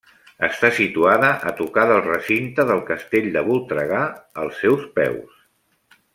Està situada a tocar del recinte del castell de Voltregà, als seus peus.